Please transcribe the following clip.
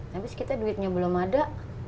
habis kita duitnya belum ada